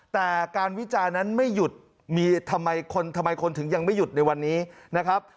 แต่การวิจารณ์นั้นไม่หยุดมีทำไมคนทำไมคนถึงยังไม่หยุดในวันนี้นะครับ